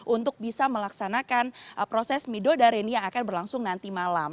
untuk bisa melaksanakan proses midodareni yang akan berlangsung nanti malam